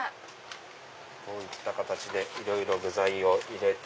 こういった形でいろいろ具材を入れて。